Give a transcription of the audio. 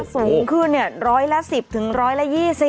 สูงขึ้นเนี่ยร้อยละ๑๐ถึงร้อยละ๒๐